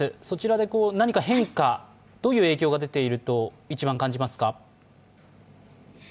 そちらで何か変化、どういう影響が出ていると一番感じますか？